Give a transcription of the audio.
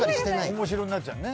面白になっちゃうね。